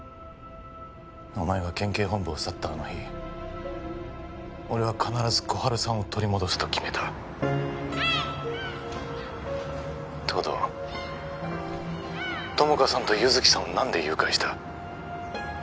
お前が県警本部を去ったあの日俺は必ず心春さんを取り戻すと決めた☎東堂☎友果さんと優月さんを何で誘拐した？